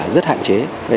rất hạn chế